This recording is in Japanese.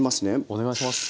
お願いします。